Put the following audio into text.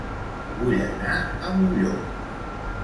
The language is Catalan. Vull anar a Molló